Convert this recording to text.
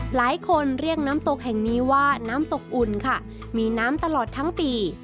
หลายคนเรียกน้ำตกแห่งนี้ว่าน้ำตกอุ่นค่ะมีน้ำตลอดทั้งปี